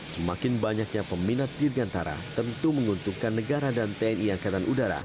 semakin banyaknya peminat dirgantara tentu menguntungkan negara dan tni angkatan udara